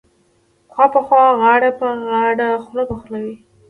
خوا په خوا غاړه په غاړه خوله په خوله وې.